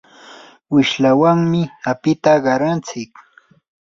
wishlawanmi apita qarantsik.